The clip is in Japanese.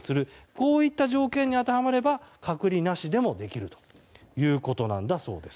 こういった条件に当てはまれば隔離なしでもできるということなんだそうです。